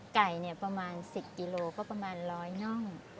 ไก่เนี่ยประมาณสิบกิโลก็ประมาณร้อยน่อง